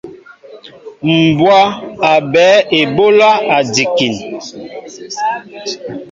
Mbwá a ɓɛέ eɓólá njikin.